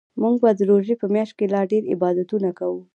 موږ به د روژې په میاشت کې لا ډیرعبادتونه کوو